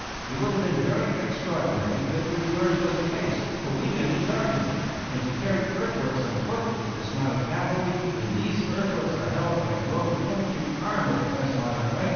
It would have been very extraordinary if the reverse was the case, for we did the charging; and to carry earthworks on foot with dismounted cavalry, when these earthworks are held by unbroken infantry armed with the best modern rifles, is a serious task.